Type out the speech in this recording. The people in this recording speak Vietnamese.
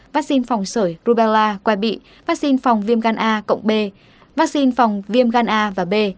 vaccine phòng sởi rubella qua bị vaccine phòng viêm gan a cộng b vaccine phòng viêm gan a và b